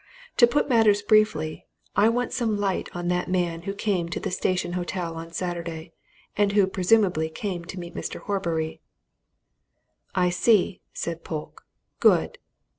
To put matters briefly I want some light on that man who came to the Station Hotel on Saturday, and who presumably came to meet Mr. Horbury." "I see," said Polke. "Good!